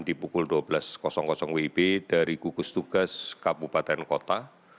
di pukul dua belas wib dari gugus tugas kabupaten kota